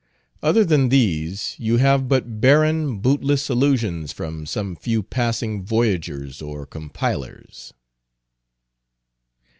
Other than these you have but barren, bootless allusions from some few passing voyagers or compilers.